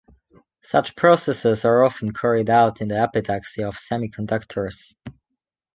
Such processes are often carried out in the epitaxy of semiconductors.